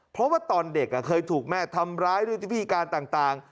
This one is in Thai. เพราะว่าตอนเด็กเคยถูกแม่ทำร้ายด้วยที่พิการต่าง